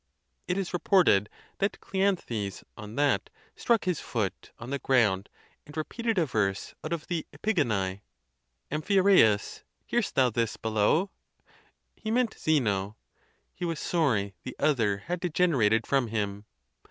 It is reported that Cleanthes on that struck his foot on the ground, and repeated a verse out of the Epigone: Amphiaraus, hear'st thou this below ? He meant Zeno: he was sorry the other had degenerated from him.